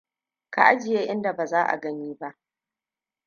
Ka ajiye in da baza agani ba.